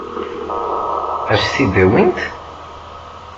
Ad s-t-id-awint?